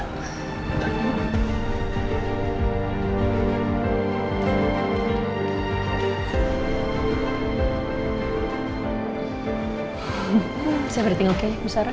saya berhenti oke bu sara